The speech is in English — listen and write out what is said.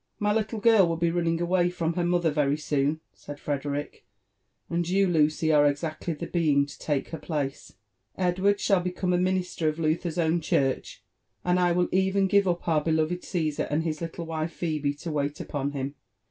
*' My little girl will be running away from her mother very soon," said Frederick ; ''and you, Lucy, are exactly the being to Cake her place Edward shall become a minister of Luther's own church, and I will even give up our beloved Caesar and his little wife Fhebe to wait upon him."